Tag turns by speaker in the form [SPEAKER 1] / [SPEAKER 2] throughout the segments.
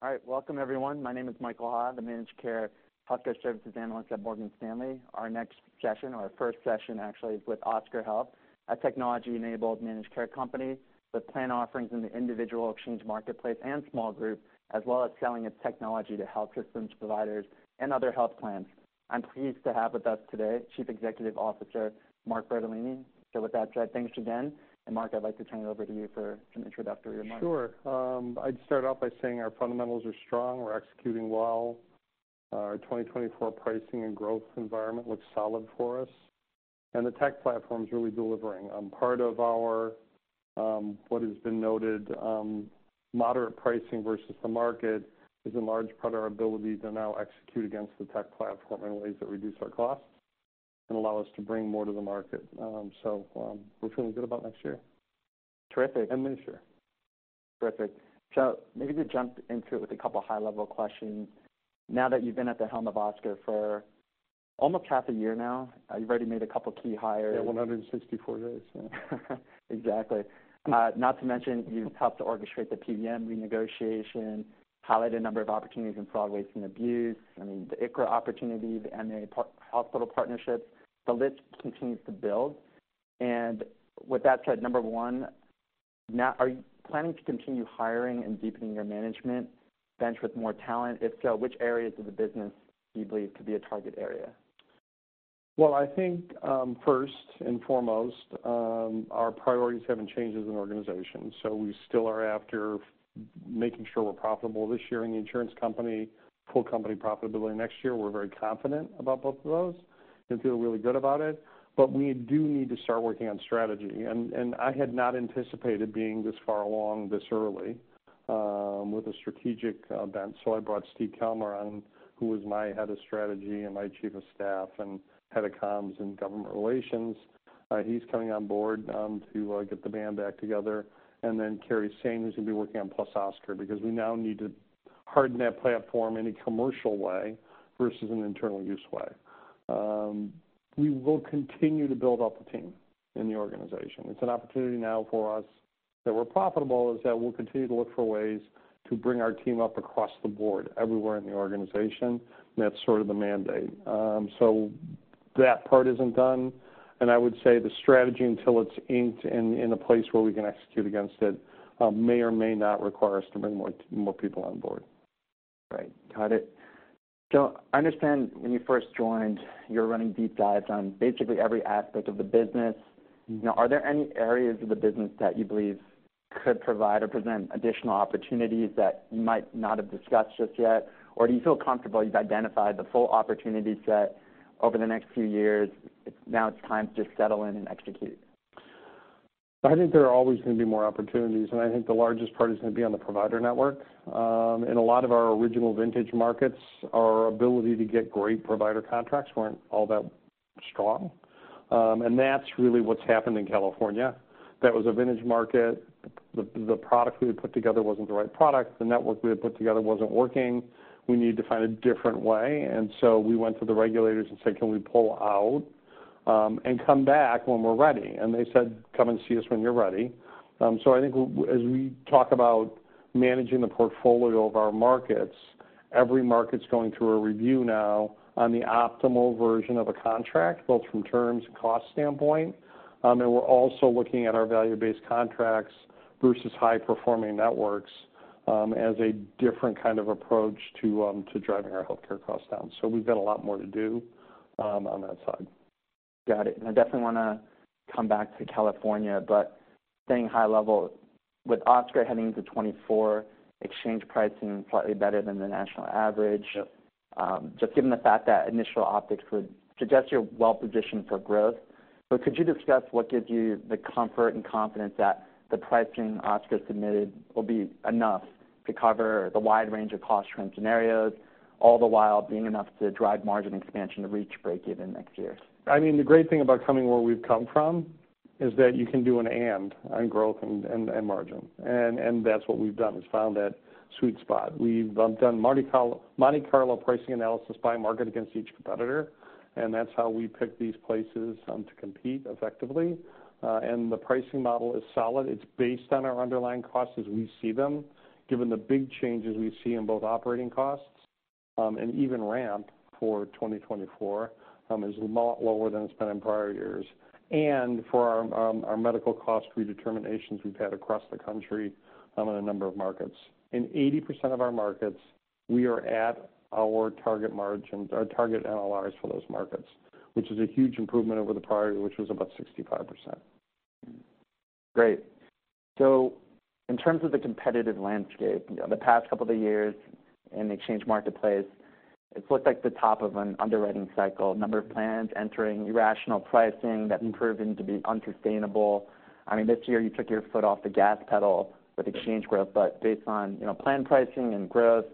[SPEAKER 1] All right, welcome, everyone. My name is Michael Ha, the Managed Care Healthcare Services Analyst at Morgan Stanley. Our next session, or our first session actually, is with Oscar Health, a technology-enabled managed care company, with plan offerings in the individual Exchange Marketplace and small group, as well as selling its technology to health systems providers and other health plans. I'm pleased to have with us today, Chief Executive Officer, Mark Bertolini. So with that said, thanks again, and Mark, I'd like to turn it over to you for an introductory remarks.
[SPEAKER 2] Sure. I'd start off by saying our fundamentals are strong. We're executing well. Our 2024 pricing and growth environment looks solid for us, and the tech platform is really delivering. Part of our, what has been noted, moderate pricing versus the market, is in large part our ability to now execute against the tech platform in ways that reduce our costs and allow us to bring more to the market. So, we're feeling good about next year.
[SPEAKER 1] Terrific.
[SPEAKER 2] This year.
[SPEAKER 1] Terrific. So maybe to jump into it with a couple of high-level questions. Now that you've been at the helm of Oscar for almost half a year now, you've already made a couple of key hires.
[SPEAKER 2] Yeah, 164 days.
[SPEAKER 1] Exactly. Not to mention, you've helped to orchestrate the PBM renegotiation, highlight a number of opportunities in fraud, waste, and abuse. I mean, the ICHRA opportunity, the MA payer-hospital partnerships, the list continues to build. With that said, number one, now, are you planning to continue hiring and deepening your management bench with more talent? If so, which areas of the business do you believe to be a target area?
[SPEAKER 2] Well, I think, first and foremost, our priorities haven't changed as an organization, so we still are after making sure we're profitable this year in the insurance company, full company profitability next year. We're very confident about both of those and feel really good about it, but we do need to start working on strategy. I had not anticipated being this far along this early, with a strategic event. So I brought Steven Kelmar on, who was my Head of Strategy and my Chief of Staff and Head of Comms and Government Relations. He's coming on board, to get the band back together, and then Kerry Sain, who's going to be working on +Oscar, because we now need to harden that platform in a commercial way versus an internal use way. We will continue to build out the team in the organization. It's an opportunity now for us, that we're profitable, is that we'll continue to look for ways to bring our team up across the board, everywhere in the organization. That's sort of the mandate. So that part isn't done, and I would say the strategy, until it's inked in, in a place where we can execute against it, may or may not require us to bring more people on board.
[SPEAKER 1] Right. Got it. So I understand when you first joined, you were running deep dives on basically every aspect of the business.
[SPEAKER 2] Mm-hmm.
[SPEAKER 1] Now, are there any areas of the business that you believe could provide or present additional opportunities that you might not have discussed just yet? Or do you feel comfortable you've identified the full opportunity set over the next few years, it's now it's time to just settle in and execute?
[SPEAKER 2] I think there are always going to be more opportunities, and I think the largest part is going to be on the provider network. In a lot of our original vintage markets, our ability to get great provider contracts weren't all that strong, and that's really what's happened in California. That was a vintage market. The product we had put together wasn't the right product. The network we had put together wasn't working. We needed to find a different way, and so we went to the regulators and said, "Can we pull out, and come back when we're ready?" And they said, "Come and see us when you're ready." So I think as we talk about managing the portfolio of our markets, every market's going through a review now on the optimal version of a contract, both from terms and cost standpoint. And we're also looking at our value-based contracts versus high-performing networks, as a different kind of approach to driving our healthcare costs down. We've got a lot more to do on that side.
[SPEAKER 1] Got it. And I definitely want to come back to California, but staying high level, with Oscar heading into 2024, exchange pricing slightly better than the national average-
[SPEAKER 2] Yep.
[SPEAKER 1] Just given the fact that initial optics would suggest you're well-positioned for growth, but could you discuss what gives you the comfort and confidence that the pricing Oscar submitted will be enough to cover the wide range of cost trend scenarios, all the while being enough to drive margin expansion to reach breakeven next year?
[SPEAKER 2] I mean, the great thing about coming where we've come from is that you can do an and on growth and margin. That's what we've done, is found that sweet spot. We've done Monte Carlo pricing analysis by market against each competitor, and that's how we pick these places to compete effectively. The pricing model is solid. It's based on our underlying costs as we see them, given the big changes we see in both operating costs and even ramp for 2024 is a lot lower than it's been in prior years. For our medical cost redeterminations we've had across the country in a number of markets. In 80% of our markets, we are at our target margin, our target LRs for those markets, which is a huge improvement over the prior, which was about 65%.
[SPEAKER 1] Great. So in terms of the competitive landscape, the past couple of years in the Exchange Marketplace, it's looked like the top of an underwriting cycle, number of plans entering irrational pricing that's proven to be unsustainable. I mean, this year you took your foot off the gas pedal with exchange growth, but based on, you know, plan pricing and growth,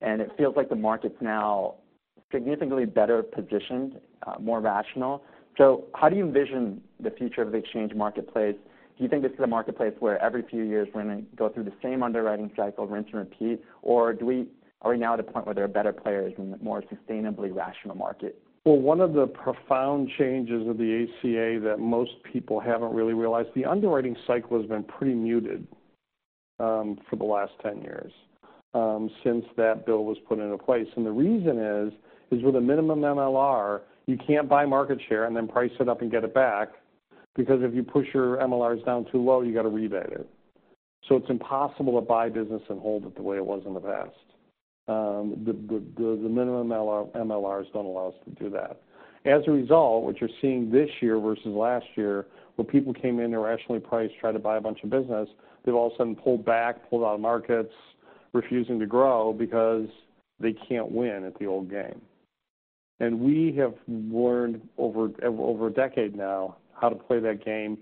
[SPEAKER 1] and it feels like the market's now significantly better positioned, more rational. So how do you envision the future of the Exchange Marketplace? Do you think this is a marketplace where every few years we're going to go through the same underwriting cycle, rinse and repeat, or do we, are we now at a point where there are better players and a more sustainably rational market?
[SPEAKER 2] Well, one of the profound changes of the ACA that most people haven't really realized, the underwriting cycle has been pretty muted for the last 10 years since that bill was put into place. And the reason is with a minimum MLR, you can't buy market share and then price it up and get it back, because if you push your MLRs down too low, you got to rebate it. So it's impossible to buy business and hold it the way it was in the past. The minimum MLRs don't allow us to do that. As a result, what you're seeing this year versus last year, where people came in, irrationally priced, tried to buy a bunch of business, they've all of a sudden pulled back, pulled out of markets, refusing to grow because they can't win at the old game. And we have learned over a decade now, how to play that game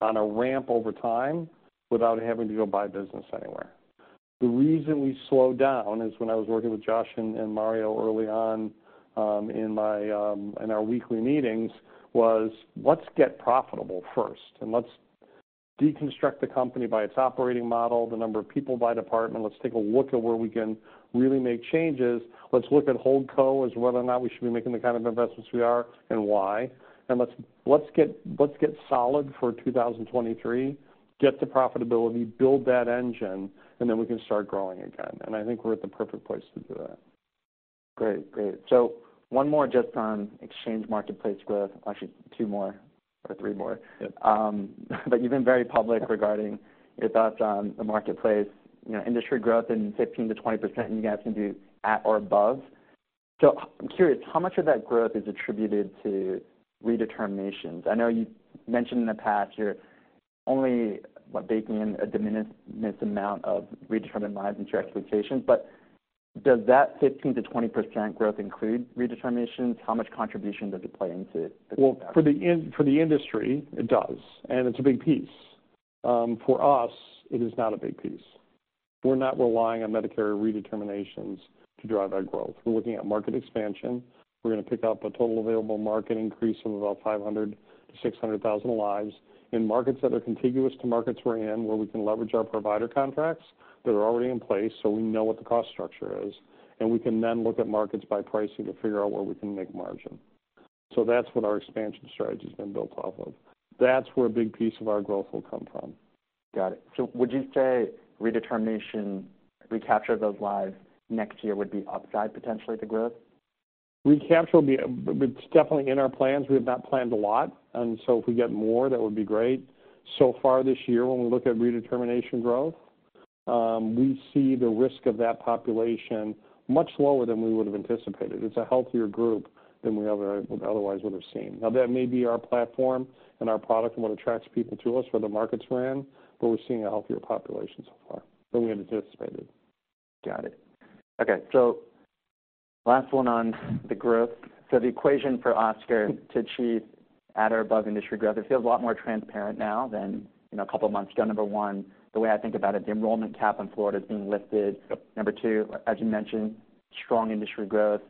[SPEAKER 2] on a ramp over time without having to go buy business anywhere. The reason we slowed down is when I was working with Josh and Mario early on, in our weekly meetings, was let's get profitable first, and let's deconstruct the company by its operating model, the number of people by department. Let's take a look at where we can really make changes. Let's look at Holdco as whether or not we should be making the kind of investments we are and why. And let's get solid for 2023, get to profitability, build that engine, and then we can start growing again. And I think we're at the perfect place to do that.
[SPEAKER 1] Great. Great. So one more just on Exchange Marketplace growth. Actually, two more or three more.
[SPEAKER 2] Yep.
[SPEAKER 1] But you've been very public regarding your thoughts on the marketplace. You know, industry growth in 15%-20%, you guys can do at or above. So I'm curious, how much of that growth is attributed to redeterminations? I know you mentioned in the past, you're only, what, baking in a de minimis amount of redetermined lives into your expectations. But does that 15%-20% growth include redeterminations? How much contribution does it play into the-
[SPEAKER 2] Well, for the industry, it does, and it's a big piece. For us, it is not a big piece. We're not relying on Medicare redeterminations to drive our growth. We're looking at market expansion. We're going to pick up a total available market increase of about 500-600 thousand lives in markets that are contiguous to markets we're in, where we can leverage our provider contracts that are already in place, so we know what the cost structure is, and we can then look at markets by pricing to figure out where we can make margin. So that's what our expansion strategy has been built off of. That's where a big piece of our growth will come from.
[SPEAKER 1] Got it. So would you say redetermination, recapture of those lives next year would be upside potentially to growth?
[SPEAKER 2] Recapture would be. It's definitely in our plans. We have not planned a lot, and so if we get more, that would be great. So far this year, when we look at redetermination growth, we see the risk of that population much lower than we would have anticipated. It's a healthier group than we otherwise would have seen. Now, that may be our platform and our product and what attracts people to us, where the markets we're in, but we're seeing a healthier population so far than we anticipated.
[SPEAKER 1] Got it. Okay, so last one on the growth. The equation for Oscar to achieve at or above industry growth, it feels a lot more transparent now than, you know, a couple of months ago. Number one, the way I think about it, the enrollment cap in Florida is being lifted.
[SPEAKER 2] Yep.
[SPEAKER 1] Number two, as you mentioned, strong industry growth,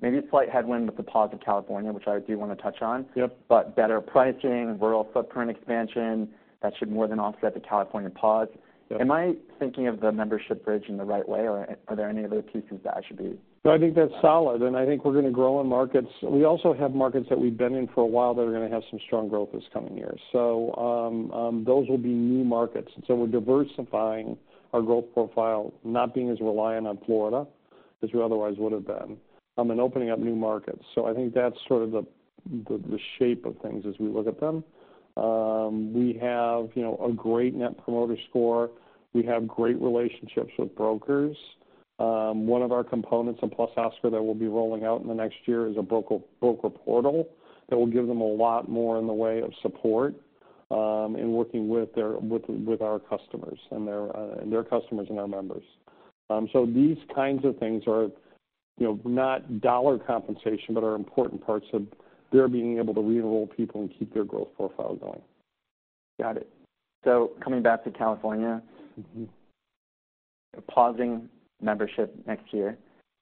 [SPEAKER 1] maybe a slight headwind with the pause of California, which I do want to touch on.
[SPEAKER 2] Yep.
[SPEAKER 1] Better pricing, rural footprint expansion, that should more than offset the California pause.
[SPEAKER 2] Yep.
[SPEAKER 1] Am I thinking of the membership bridge in the right way, or are there any other pieces that I should be-
[SPEAKER 2] No, I think that's solid, and I think we're going to grow in markets. We also have markets that we've been in for a while that are going to have some strong growth this coming year. So, those will be new markets. And so we're diversifying our growth profile, not being as reliant on Florida as we otherwise would have been, and opening up new markets. So I think that's sort of the shape of things as we look at them. We have, you know, a great Net Promoter Score. We have great relationships with brokers. One of our components of +Oscar that we'll be rolling out in the next year is a broker portal that will give them a lot more in the way of support, in working with our customers and their customers and our members. So these kinds of things are, you know, not dollar compensation, but are important parts of their being able to re-enroll people and keep their growth profile going.
[SPEAKER 1] Got it. So coming back to California-
[SPEAKER 2] Mm-hmm.
[SPEAKER 1] Pausing membership next year,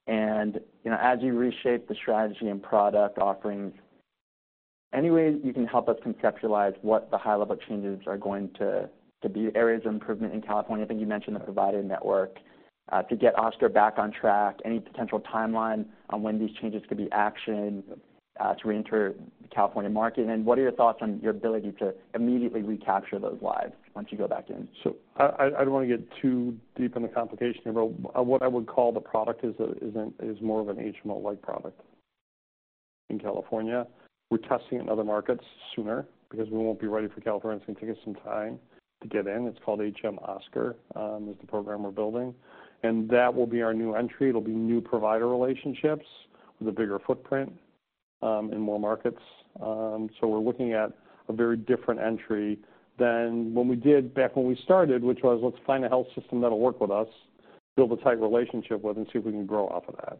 [SPEAKER 1] and, you know, as you reshape the strategy and product offerings, any way you can help us conceptualize what the high-level changes are going to be areas of improvement in California? I think you mentioned the provider network. To get Oscar back on track, any potential timeline on when these changes could be actioned to reenter the California market? And what are your thoughts on your ability to immediately recapture those lives once you go back in?
[SPEAKER 2] So I don't want to get too deep in the complication, but what I would call the product is more of an HMO-like product in California. We're testing in other markets sooner because we won't be ready for California. It's going to take us some time to get in. It's called HMO Oscar, is the program we're building, and that will be our new entry. It'll be new provider relationships with a bigger footprint in more markets. So we're looking at a very different entry than what we did back when we started, which was, let's find a health system that'll work with us, build a tight relationship with, and see if we can grow off of that.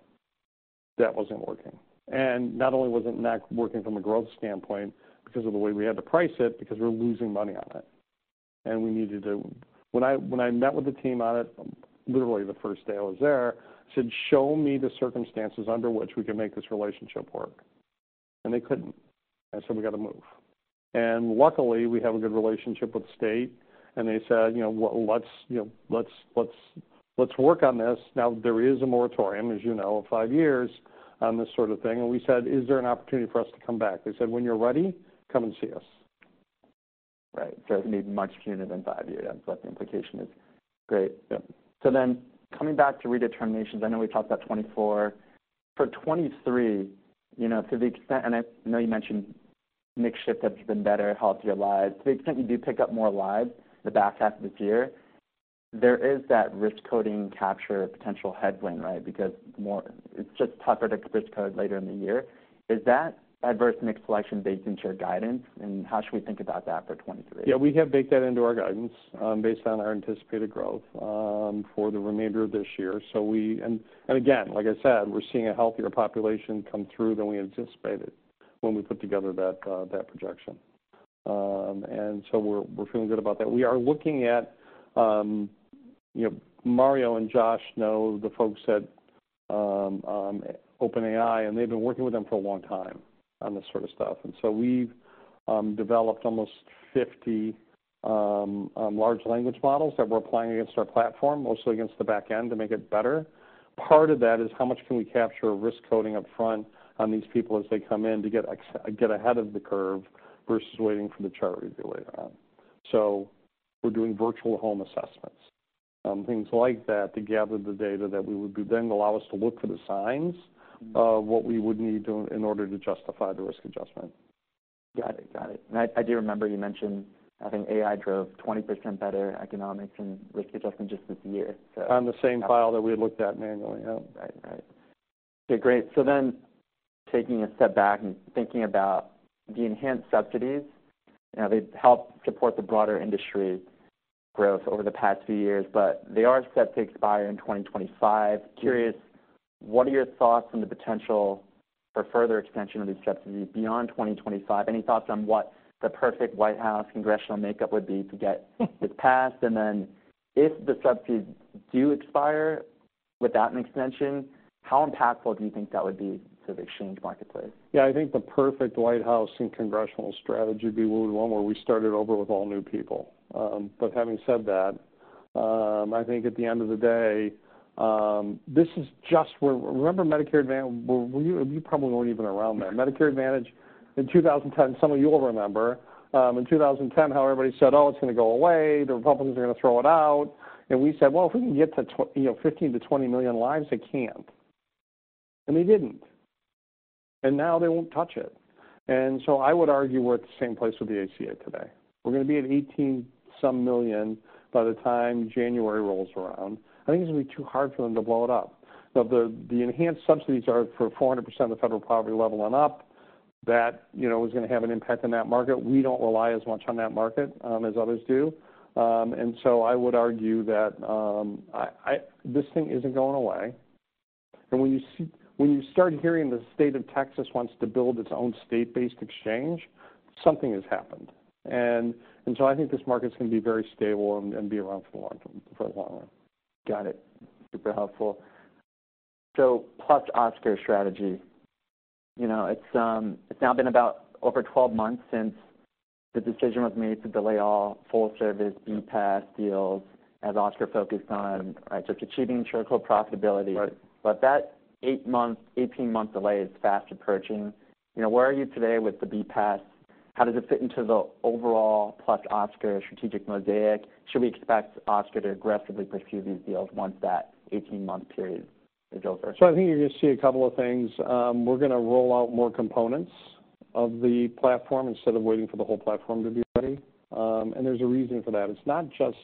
[SPEAKER 2] That wasn't working. Not only was it not working from a growth standpoint, because of the way we had to price it, because we're losing money on it. We needed to. When I met with the team on it, literally the first day I was there, I said: Show me the circumstances under which we can make this relationship work. They couldn't. So we got to move. Luckily, we have a good relationship with the state, and they said, you know, well, let's, you know, let's work on this. Now, there is a moratorium, as you know, of five years on this sort of thing, and we said: Is there an opportunity for us to come back? They said, "When you're ready, come and see us.
[SPEAKER 1] Right. They need much sooner than 5 years, but the implication is great. Yeah. So then coming back to redeterminations, I know we talked about 2024. For 2023, you know, to the extent, and I know you mentioned mix shift has been better, healthier lives. To the extent you do pick up more lives the back half of this year, there is that risk coding capture potential headwind, right? Because more—it's just tougher to risk code later in the year. Is that adverse mix selection baked into your guidance, and how should we think about that for 2023?
[SPEAKER 2] Yeah, we have baked that into our guidance, based on our anticipated growth, for the remainder of this year. So, and again, like I said, we're seeing a healthier population come through than we anticipated when we put together that projection. And so we're feeling good about that. We are looking at, you know, Mario and Josh know the folks at OpenAI, and they've been working with them for a long time on this sort of stuff. And so we've developed almost 50 large language models that we're applying against our platform, mostly against the back end, to make it better. Part of that is how much can we capture risk coding upfront on these people as they come in to get ahead of the curve, versus waiting for the chart review later on. So we're doing virtual home assessments, things like that, to gather the data that we would be... then allow us to look for the signs of what we would need to, in order to justify the risk adjustment.
[SPEAKER 1] Got it. Got it. And I, I do remember you mentioned, I think AI drove 20% better economics and risk adjustment just this year, so-
[SPEAKER 2] On the same file that we looked at manually, yeah.
[SPEAKER 1] Right. Right. Okay, great. So then taking a step back and thinking about the enhanced subsidies, you know, they've helped support the broader industry growth over the past few years, but they are set to expire in 2025. Curious, what are your thoughts on the potential for further extension of these subsidies beyond 2025? Any thoughts on what the perfect White House congressional makeup would be to get this passed? And then if the subsidies do expire without an extension, how impactful do you think that would be to the Exchange Marketplace?
[SPEAKER 2] Yeah, I think the perfect White House and congressional strategy would be one where we started over with all new people. But having said that, I think at the end of the day, this is just where... Remember Medicare Advantage. Well, you probably weren't even around then. Medicare Advantage in 2010, some of you will remember, in 2010, how everybody said: Oh, it's going to go away, the Republicans are going to throw it out. And we said, "Well, if we can get to you know, 15-20 million lives, they can't." And they didn't, and now they won't touch it. And so I would argue we're at the same place with the ACA today. We're going to be at 18-some million by the time January rolls around. I think it's going to be too hard for them to blow it up. Now, the enhanced subsidies are for 400% of the federal poverty level and up. That, you know, is going to have an impact on that market. We don't rely as much on that market as others do. And so I would argue that I... This thing isn't going away. And when you see, when you start hearing the state of Texas wants to build its own state-based exchange, something has happened. And so I think this market is going to be very stable and be around for the long term, for a long while.
[SPEAKER 1] Got it. Super helpful. So +Oscar strategy, you know, it's, it's now been about over 12 months since the decision was made to delay all full service BPaaS deals as Oscar focused on, right, just achieving charitable profitability.
[SPEAKER 2] Right.
[SPEAKER 1] But that 8-month, 18-month delay is fast approaching. You know, where are you today with the BPAS? How does it fit into the overall +Oscar strategic mosaic? Should we expect Oscar to aggressively pursue these deals once that 18-month period is over?
[SPEAKER 2] So I think you're going to see a couple of things. We're going to roll out more components of the platform instead of waiting for the whole platform to be ready. And there's a reason for that. It's not just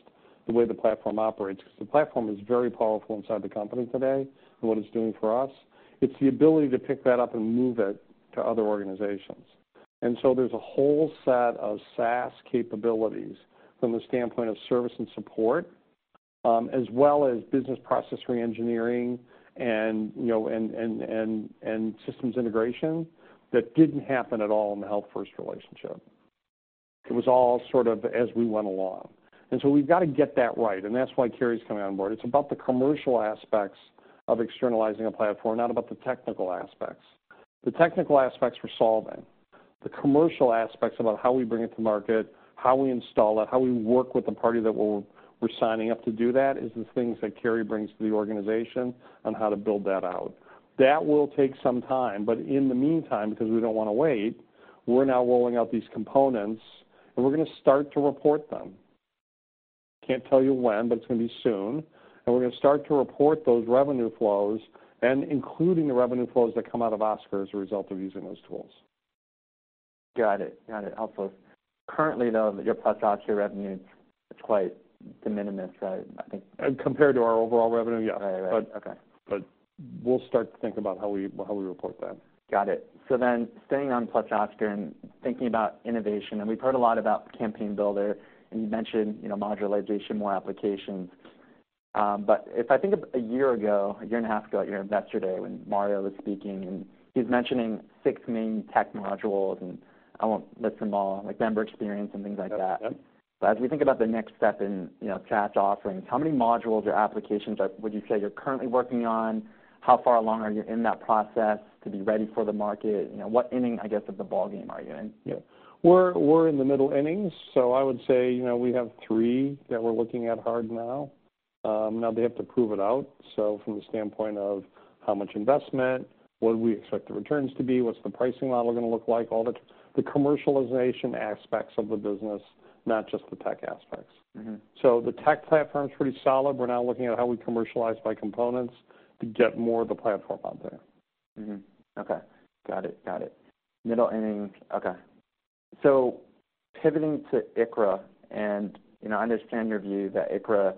[SPEAKER 2] the way the platform operates, because the platform is very powerful inside the company today and what it's doing for us. It's the ability to pick that up and move it to other organizations. And so there's a whole set of SaaS capabilities from the standpoint of service and support, as well as business process reengineering and, you know, and systems integration that didn't happen at all in the Health First relationship. It was all sort of as we went along. And so we've got to get that right, and that's why Carrie's coming on board. It's about the commercial aspects of externalizing a platform, not about the technical aspects. The technical aspects we're solving, the commercial aspects about how we bring it to market, how we install it, how we work with the party that we're signing up to do that, is the things that Kerry brings to the organization on how to build that out. That will take some time, but in the meantime, because we don't want to wait, we're now rolling out these components, and we're going to start to report them. Can't tell you when, but it's going to be soon. We're going to start to report those revenue flows, including the revenue flows that come out of Oscar as a result of using those tools.
[SPEAKER 1] Got it. Got it. Helpful. Currently, though, your +Oscar revenue is quite de minimis, right? I think-
[SPEAKER 2] Compared to our overall revenue, yeah.
[SPEAKER 1] Right. Right. Okay.
[SPEAKER 2] We'll start to think about how we report that.
[SPEAKER 1] Got it. So then staying on +Oscar and thinking about innovation, and we've heard a lot about Campaign Builder, and you mentioned, you know, modularization, more applications. But if I think of a year ago, a year and a half ago, at your Investor Day, when Mario was speaking, and he's mentioning six main tech modules, and I won't list them all, like member experience and things like that.
[SPEAKER 2] Yep.
[SPEAKER 1] But as we think about the next step in, you know, SaaS offerings, how many modules or applications are, would you say you're currently working on? How far along are you in that process to be ready for the market? You know, what inning, I guess, of the ballgame are you in?
[SPEAKER 2] Yeah. We're in the middle innings, so I would say, you know, we have three that we're looking at hard now. Now they have to prove it out. So from the standpoint of how much investment, what do we expect the returns to be, what's the pricing model gonna look like? All the commercialization aspects of the business, not just the tech aspects.
[SPEAKER 1] Mm-hmm.
[SPEAKER 2] So the tech platform is pretty solid. We're now looking at how we commercialize by components to get more of the platform out there.
[SPEAKER 1] Mm-hmm. Okay, got it. Got it. Middle innings, okay. So pivoting to ICHRA, and, you know, I understand your view that ICHRA,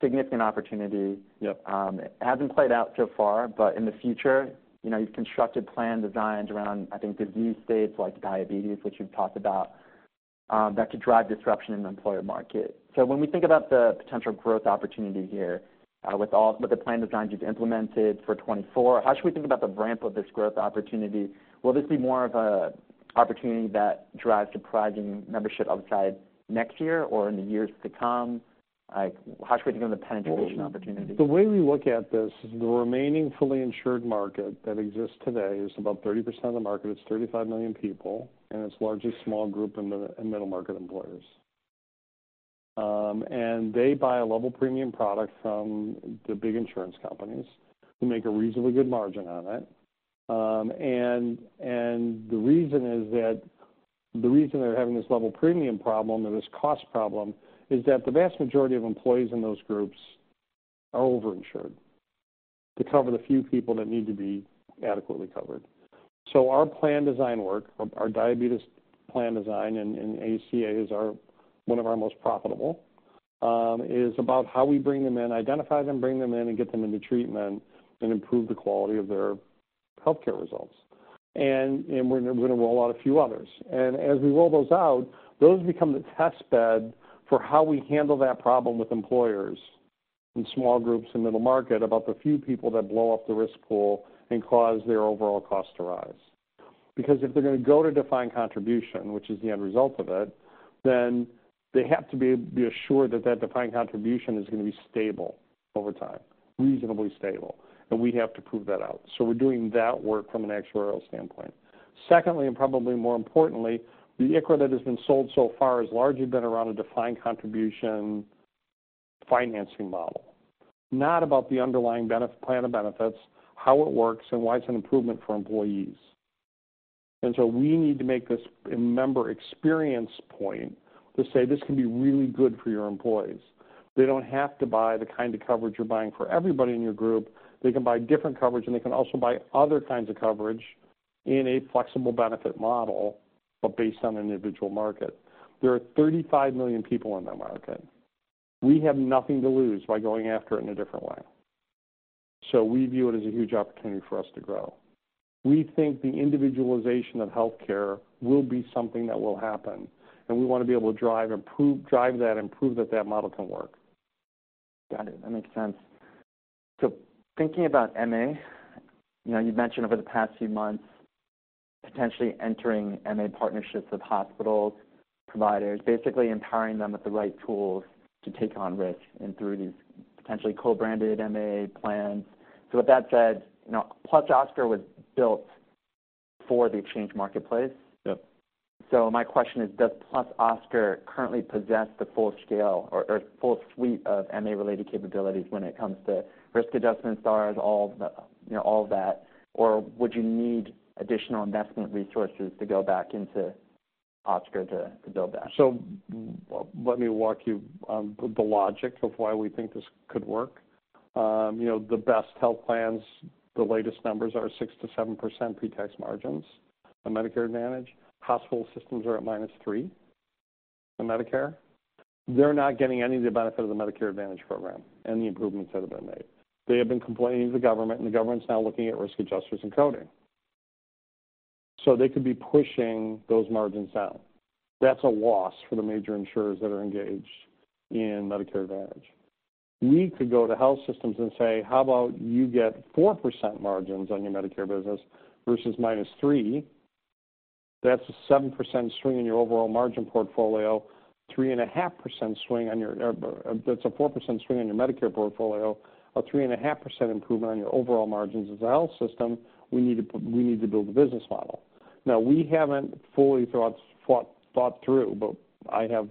[SPEAKER 1] significant opportunity-
[SPEAKER 2] Yep.
[SPEAKER 1] It hasn't played out so far, but in the future, you know, you've constructed plan designs around, I think, disease states like diabetes, which you've talked about, that could drive disruption in the employer market. So when we think about the potential growth opportunity here, with the plan designs you've implemented for 2024, how should we think about the ramp of this growth opportunity? Will this be more of a opportunity that drives surprising membership upside next year or in the years to come? Like, how should we think of the penetration opportunity?
[SPEAKER 2] Well, the way we look at this is the remaining fully insured market that exists today is about 30% of the market. It's 35 million people, and its largest small group and middle market employers. They buy a level premium product from the big insurance companies, who make a reasonably good margin on it. The reason they're having this level premium problem or this cost problem is that the vast majority of employees in those groups are over-insured to cover the few people that need to be adequately covered. So our plan design work, our diabetes plan design and ACA is one of our most profitable is about how we bring them in, identify them, bring them in, and get them into treatment and improve the quality of their healthcare results. And we're gonna roll out a few others. And as we roll those out, those become the test bed for how we handle that problem with employers in small groups and middle market, about the few people that blow up the risk pool and cause their overall cost to rise. Because if they're gonna go to defined contribution, which is the end result of it, then they have to be assured that that defined contribution is gonna be stable over time, reasonably stable, and we have to prove that out. So we're doing that work from an actuarial standpoint. Secondly, and probably more importantly, the ICHRA that has been sold so far has largely been around a defined contribution financing model, not about the underlying benefit, plan of benefits, how it works, and why it's an improvement for employees. So we need to make this a member experience point to say, this can be really good for your employees. They don't have to buy the kind of coverage you're buying for everybody in your group. They can buy different coverage, and they can also buy other kinds of coverage in a flexible benefit model, but based on an individual market. There are 35 million people in that market. We have nothing to lose by going after it in a different way. So we view it as a huge opportunity for us to grow. We think the individualization of healthcare will be something that will happen, and we want to be able to drive that and prove that that model can work.
[SPEAKER 1] Got it. That makes sense. So thinking about MA, you know, you've mentioned over the past few months, potentially entering MA partnerships with hospitals, providers, basically empowering them with the right tools to take on risk and through these potentially co-branded MA plans. So with that said, you know, +Oscar was built for the Exchange Marketplace.
[SPEAKER 2] Yep.
[SPEAKER 1] So my question is, does +Oscar currently possess the full scale or full suite of MA-related capabilities when it comes to Risk Adjustment Stars, all the, you know, all of that? Or would you need additional investment resources to go back into Oscar to build that?
[SPEAKER 2] So let me walk you the logic of why we think this could work. You know, the best health plans, the latest numbers are 6%-7% pretax margins on Medicare Advantage. Hospital systems are at -3% on Medicare. They're not getting any of the benefit of the Medicare Advantage program and the improvements that have been made. They have been complaining to the government, and the government's now looking at risk adjusters and coding. So they could be pushing those margins down. That's a loss for the major insurers that are engaged in Medicare Advantage. We could go to health systems and say: How about you get 4% margins on your Medicare business versus -3%? That's a 7% swing in your overall margin portfolio, 3.5% swing on your, that's a 4% swing on your Medicare portfolio, a 3.5% improvement on your overall margins. As a health system, we need to build a business model. Now, we haven't fully thought through, but I have,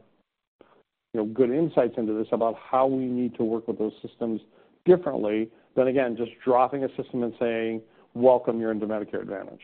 [SPEAKER 2] you know, good insights into this, about how we need to work with those systems differently than, again, just dropping a system and saying: Welcome, you're into Medicare Advantage.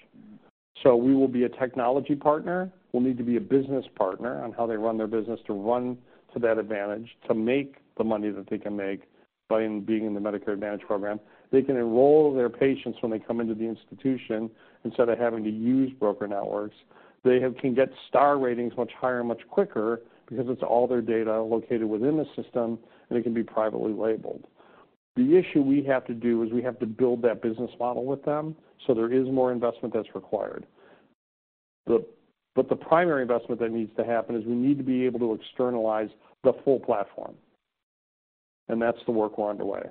[SPEAKER 2] So we will be a technology partner. We'll need to be a business partner on how they run their business, to run to that advantage, to make the money that they can make by being in the Medicare Advantage program. They can enroll their patients when they come into the institution instead of having to use broker networks. They can get Star Ratings much higher and much quicker because it's all their data located within the system, and it can be privately labeled. The issue we have to do is we have to build that business model with them, so there is more investment that's required. But the primary investment that needs to happen is we need to be able to externalize the full platform, and that's the work we're underway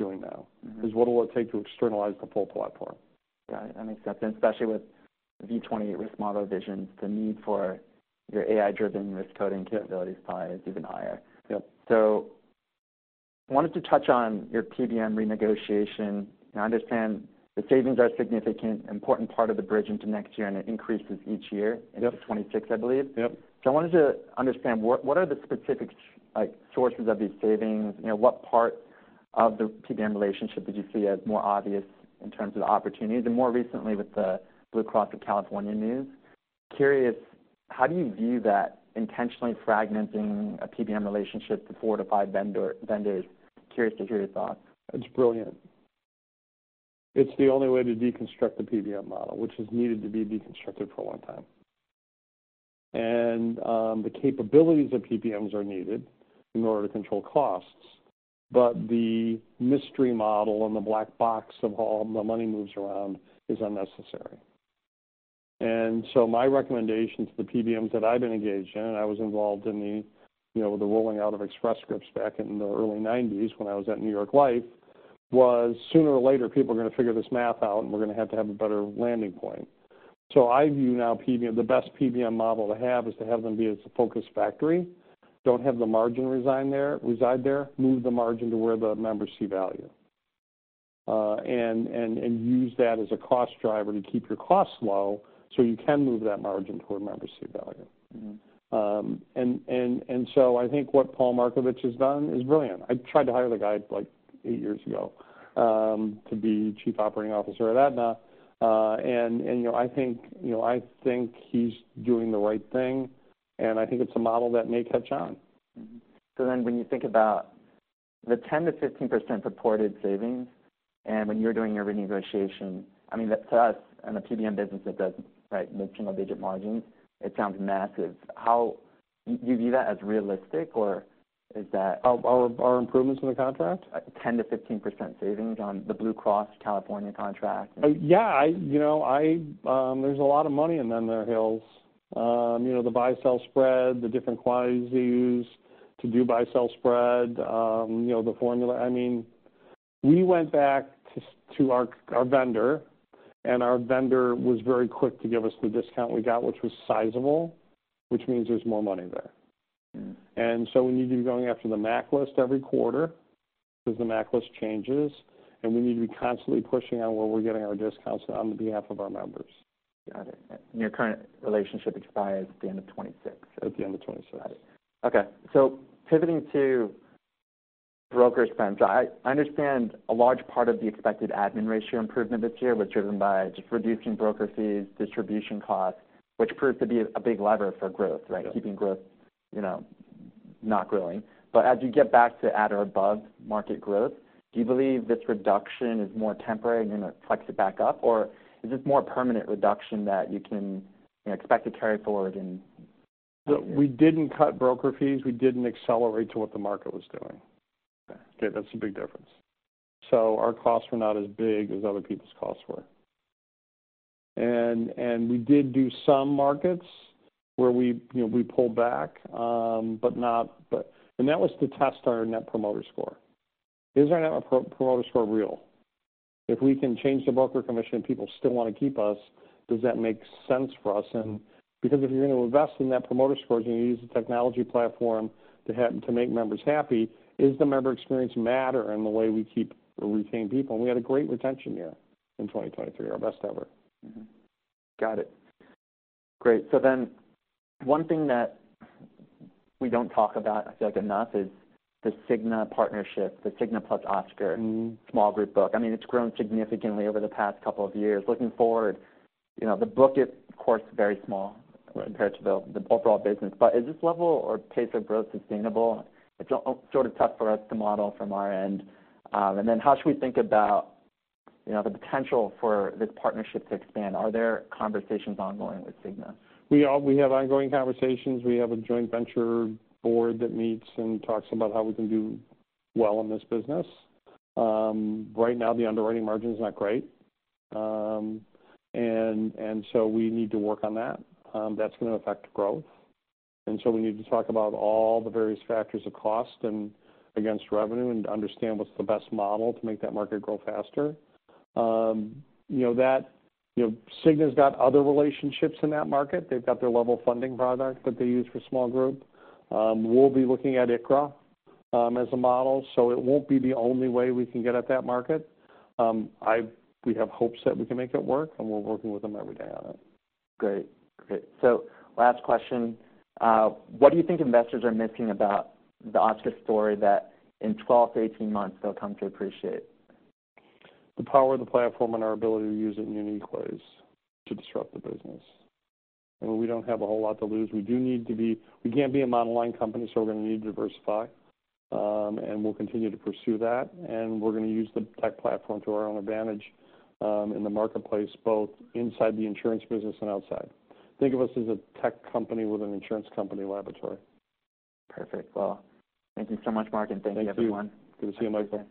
[SPEAKER 2] doing now.
[SPEAKER 1] Mm-hmm.
[SPEAKER 2] What will it take to externalize the full platform?
[SPEAKER 1] Got it. That makes sense, especially with V28 risk model versions, the need for your AI-driven risk coding capabilities probably is even higher.
[SPEAKER 2] Yep.
[SPEAKER 1] I wanted to touch on your PBM renegotiation. I understand the savings are a significant, important part of the bridge into next year, and it increases each year-
[SPEAKER 2] Yep.
[SPEAKER 1] - into 2026, I believe.
[SPEAKER 2] Yep.
[SPEAKER 1] So I wanted to understand, what, what are the specific, like, sources of these savings? You know, what part of the PBM relationship that you see as more obvious in terms of the opportunities, and more recently, with the Blue Shield of California news. Curious, how do you view that intentionally fragmenting a PBM relationship to 4-5 vendors? Curious to hear your thoughts.
[SPEAKER 2] It's brilliant. It's the only way to deconstruct the PBM model, which has needed to be deconstructed for a long time. And, the capabilities of PBMs are needed in order to control costs, but the mystery model and the black box of all the money moves around is unnecessary. And so my recommendation to the PBMs that I've been engaged in, and I was involved in the, you know, the rolling out of Express Scripts back in the early 1990s when I was at New York Life, was sooner or later, people are gonna figure this math out, and we're gonna have to have a better landing point. So I view now PBM, the best PBM model to have is to have them be as a focus factory. Don't have the margin resign there, reside there, move the margin to where the members see value. Use that as a cost driver to keep your costs low, so you can move that margin toward members see value.
[SPEAKER 1] Mm-hmm.
[SPEAKER 2] And so I think what Paul Markovich has done is brilliant. I tried to hire the guy like eight years ago to be chief operating officer at Aetna. You know, I think, you know, I think he's doing the right thing, and I think it's a model that may catch on.
[SPEAKER 1] Mm-hmm. So then when you think about the 10%-15% purported savings, and when you're doing your renegotiation, I mean, that to us, in a PBM business, that does, right, mid-single-digit margins, it sounds massive. How... Do you view that as realistic, or is that-
[SPEAKER 2] Our improvements in the contract?
[SPEAKER 1] 10%-15% savings on the Blue Shield of California contract.
[SPEAKER 2] Yeah, you know, there's a lot of money in them there hills. You know, the buy-sell spread, the different quantities they use to do buy-sell spread, you know, the formula. I mean, we went back to our vendor, and our vendor was very quick to give us the discount we got, which was sizable, which means there's more money there.
[SPEAKER 1] Mm.
[SPEAKER 2] And so we need to be going after the MAC list every quarter, 'cause the MAC list changes, and we need to be constantly pushing on where we're getting our discounts on behalf of our members.
[SPEAKER 1] Got it. Your current relationship expires at the end of 2026?
[SPEAKER 2] At the end of 2026.
[SPEAKER 1] Got it. Okay, so pivoting to broker expense. I understand a large part of the expected admin ratio improvement this year was driven by just reducing broker fees, distribution costs, which proved to be a big lever for growth, right?
[SPEAKER 2] Yeah.
[SPEAKER 1] Keeping growth, you know, not growing. But as you get back to at or above market growth, do you believe this reduction is more temporary and going to flex it back up? Or is this more permanent reduction that you can, you know, expect to carry forward in-
[SPEAKER 2] We didn't cut broker fees. We didn't accelerate to what the market was doing.
[SPEAKER 1] Okay.
[SPEAKER 2] Okay, that's a big difference. So our costs were not as big as other people's costs were. And we did do some markets where we, you know, pulled back, but... And that was to test our Net Promoter Score. Is our Net Promoter Score real? If we can change the broker commission, people still wanna keep us, does that make sense for us? And because if you're going to invest in Net Promoter Scores, you need to use the technology platform to have to make members happy, is the member experience matter in the way we keep or retain people? And we had a great retention year in 2023, our best ever.
[SPEAKER 1] Mm-hmm. Got it. Great. So then, one thing that we don't talk about, I feel like enough, is the Cigna partnership, the Cigna +Oscar-
[SPEAKER 2] Mm-hmm.
[SPEAKER 1] small group book. I mean, it's grown significantly over the past couple of years. Looking forward, you know, the book is, of course, very small.
[SPEAKER 2] Right
[SPEAKER 1] Compared to the, the overall business. But is this level or pace of growth sustainable? It's sort of tough for us to model from our end. And then how should we think about, you know, the potential for this partnership to expand? Are there conversations ongoing with Cigna?
[SPEAKER 2] We have ongoing conversations. We have a joint venture board that meets and talks about how we can do well in this business. Right now, the underwriting margin is not great. And so we need to work on that. That's gonna affect growth, and so we need to talk about all the various factors of cost and against revenue and understand what's the best model to make that market grow faster. You know, that, you know, Cigna's got other relationships in that market. They've got their level funding product that they use for small group. We'll be looking at ICHRA as a model, so it won't be the only way we can get at that market. We have hopes that we can make it work, and we're working with them every day on it.
[SPEAKER 1] Great. Great. So last question. What do you think investors are missing about the Oscar story that in 12-18 months, they'll come to appreciate?
[SPEAKER 2] The power of the platform and our ability to use it in unique ways to disrupt the business. We don't have a whole lot to lose. We can't be a monoline company, so we're gonna need to diversify. And we'll continue to pursue that, and we're gonna use the tech platform to our own advantage, in the marketplace, both inside the insurance business and outside. Think of us as a tech company with an insurance company laboratory.
[SPEAKER 1] Perfect. Well, thank you so much, Mark, and thank you, everyone.
[SPEAKER 2] Thank you. Good to see you, Michael.